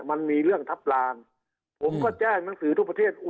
คราวนี้เจ้าหน้าที่ป่าไม้รับรองแนวเนี่ยจะต้องเป็นหนังสือจากอธิบดี